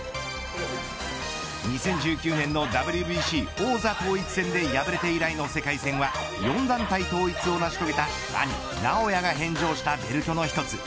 ２０１９年のＷＢＣ王座統一戦で敗れて以来の世界戦は４団体統一を成し遂げた兄、尚弥が返上したベルトの１つ。